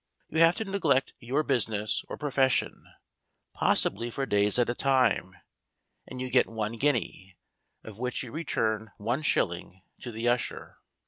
You have to neglect your business or profession possibly for days at a time and you get one guinea, of which you return one shilling to the usher.